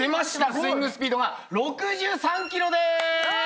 スイングスピードは６３キロです！